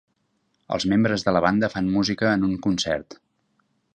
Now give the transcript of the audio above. Els membres de la banda fan música en un concert.